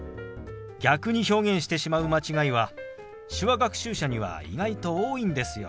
逆に表現してしまう間違いは手話学習者には意外と多いんですよ。